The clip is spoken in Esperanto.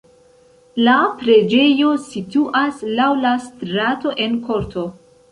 La preĝejo situas laŭ la strato en korto.